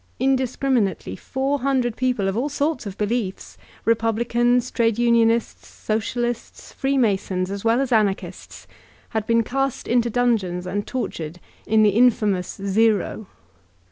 Indiscriminately, four hundred peo ple of all sorts of beliefs — Republicans, trade unionists. Socialists, Free Masons, as well as Anarchists — ^had been cast into dungeons and tortured in the infamous ''zero.''